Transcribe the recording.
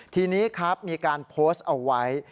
ทีนี้ครับมีการโพสต์เอาไว้